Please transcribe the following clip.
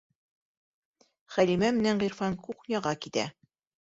Хәлимә менән Ғирфан кухняға китә.